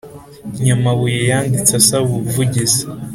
Nyamabuye yanditse asaba ubuvugizi